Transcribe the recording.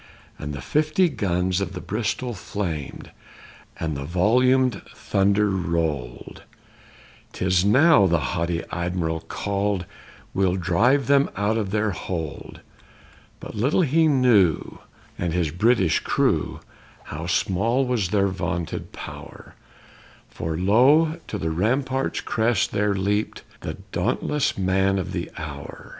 _ And the fifty guns of the Bristol flamed, and the volumed thunder rolled; 'Tis now, the haughty Admiral cried, we'll drive them out of their hold! But little he knew, and his British crew, how small was their vaunted power, For lo, to the rampart's crest there leaped the dauntless man of the hour!